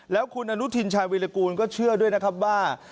แล้วคุณอนุทินชายวิรกูลก็เชื่อด้วยนะครับว่า